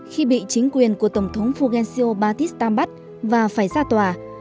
khi bị chính quyền của tổng thống fulgencio batista bắt và phải ra tòa